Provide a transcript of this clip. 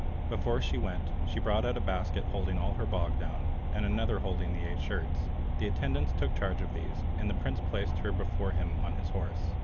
Before she went she brought out a basket holding all her bog down, and another holding the eight shirts. The attendants took charge of these, and the prince placed her before him on his horse.